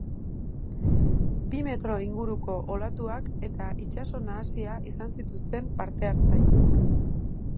Bi metro inguruko olatuak eta itsaso nahasia izan zituzten parte hartzaileek.